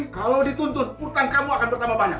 kalau dituntun urutan kamu akan bertambah banyak